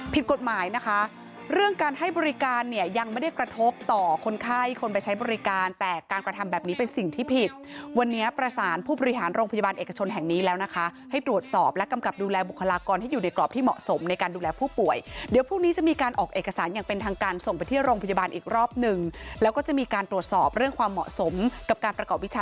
ผิดกฎหมายนะคะเรื่องการให้บริการเนี่ยยังไม่ได้กระทบต่อคนไข้คนไปใช้บริการแต่การกระทำแบบนี้เป็นสิ่งที่ผิดวันนี้ประสานผู้บริหารโรงพยาบาลเอกชนแห่งนี้แล้วนะคะให้ตรวจสอบและกำกับดูแลบุคลากรที่อยู่ในกรอบที่เหมาะสมในการดูแลผู้ป่วยเดี๋ยวพวกนี้จะมีการออกเอกสารอย่างเป็นทางการส่งไปที่โรงพยาบาลอีกรอบหน